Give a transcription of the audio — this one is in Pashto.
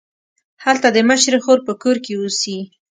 هلته د مشرې خور په کور کې اوسي.